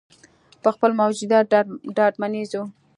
په خپل موجودیت ډاډمنېږو.